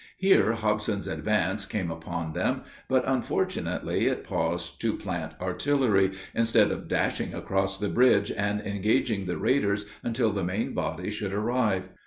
Here Hobson's advance came upon them, but unfortunately it paused to plant artillery, instead of dashing across the bridge and engaging the raiders until the main body should arrive.